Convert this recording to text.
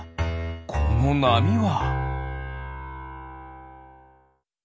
このなみは？